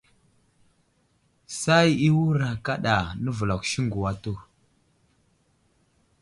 Say i wə́rà kaɗa navəlakw siŋgu atu.